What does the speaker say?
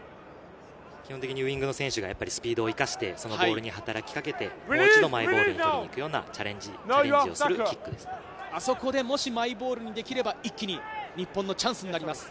基本的にウイングの選手がスピードを生かしてそのボールに働きかけてもう一度マイボールを取りに行くようなチャレンジをするキッあそこでもしマイボールにできれば、一気に日本のチャンスになります。